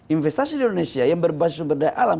investasi di indonesia yang berbasis sumber daya alam